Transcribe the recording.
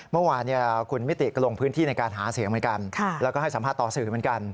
เมื่อวานคุณมิติกระลงพื้นที่ในการหาเสียงและให้สัมภาษณ์ต่อสื่อ